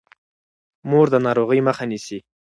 مور د ناروغۍ مخه نیسي.